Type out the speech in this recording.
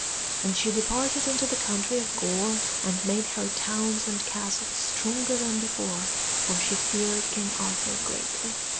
And she departed into the country of Gore, and made her towns and castles stronger than before, for she feared King Arthur greatly.